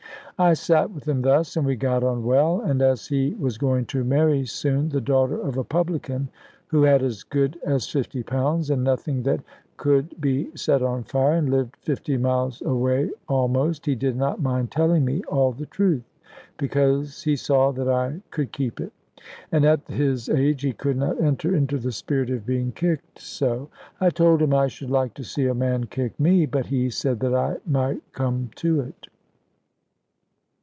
I sate with him thus, and we got on well; and as he was going to marry soon the daughter of a publican, who had as good as fifty pounds, and nothing that could be set on fire, and lived fifty miles away almost, he did not mind telling me all the truth, because he saw that I could keep it; and at his age he could not enter into the spirit of being kicked so. I told him I should like to see a man kick me! But he said that I might come to it.